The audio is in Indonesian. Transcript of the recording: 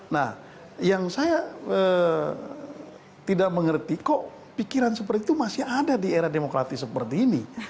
nah yang saya tidak mengerti kok pikiran seperti itu masih ada di era demokratis seperti ini